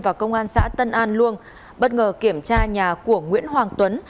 và công an xã tân an luông bất ngờ kiểm tra nhà của nguyễn hoàng tuấn